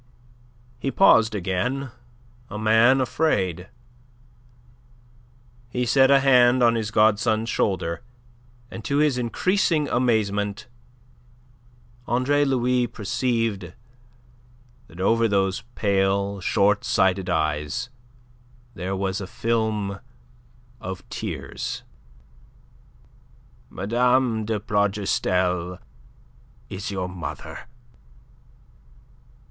He paused again, a man afraid. He set a hand on his godson's shoulder, and to his increasing amazement Andre Louis perceived that over those pale, short sighted eyes there was a film of tears. "Mme. de Plougastel is your mother."